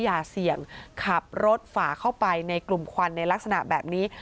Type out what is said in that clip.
อย่าเสี่ยงขับรถฝ่าเข้าไปในกลุ่มควันในลักษณะแบบนี้